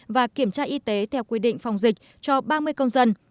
và kiểm tra y tế theo quy định phòng dịch cho ba mươi công dân